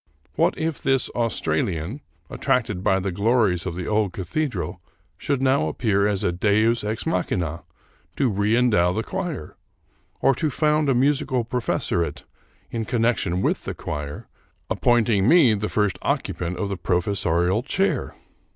What if this Australian, attracted by the glories of the old cathe dral, should now appear as a deus ex machina to reendow the choir, or to found a musical professoriate in connection with the choir, appointing me the first occupant of the pro fessorial chair?